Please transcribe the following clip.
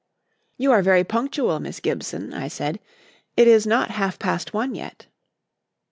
"You are very punctual, Miss Gibson," I said. "It is not half past one yet."